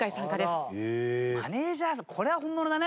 マネジャーこれは本物だね。